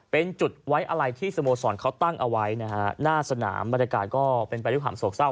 เป็นจุดไว้อะไรที่สโมสรเขาตั้งเอาไว้นะฮะหน้าสนามบรรยากาศก็เป็นไปด้วยความโศกเศร้า